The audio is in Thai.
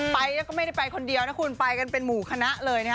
ไปแล้วก็ไม่ได้ไปคนเดียวนะคุณไปกันเป็นหมู่คณะเลยนะฮะ